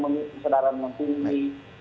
mengingatkan sedaran mimpi ini